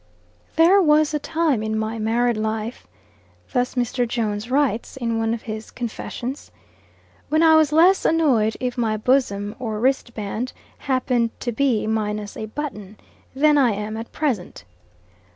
There was a time in my married life, (thus Mr. Jones writes, in one of his "Confessions,") when I was less annoyed if my bosom or wristband happened to be minus a button, than I am at present.